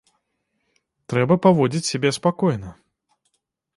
Трэба паводзіць сябе спакойна.